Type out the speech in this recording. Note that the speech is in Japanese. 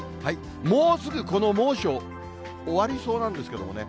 もうすぐこの猛暑、終わりそうなんですけどね。